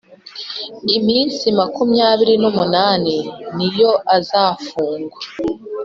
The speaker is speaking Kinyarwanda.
iminsi makumyabiri n umunani niyo azafungwa